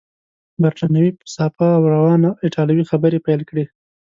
بریتانوي په صافه او روانه ایټالوې خبرې پیل کړې.